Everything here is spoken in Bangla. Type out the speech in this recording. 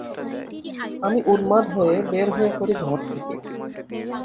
আমি উন্মাদ হয়ে বের হয়ে পড়ি ঘর থেকে।